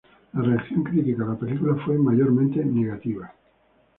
La reacción crítica a la película fue mayormente negativa.